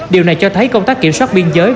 điều này cho thấy công tác kiểm soát biên giới